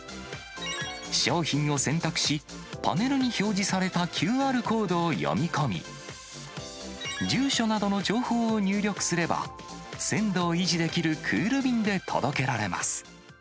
商品を選択し、パネルに表示されたＱＲコードを読み込み、住所などの情報を入力すれば、鮮度を維持できるクール便で届けられます。